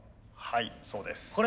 はいそうです。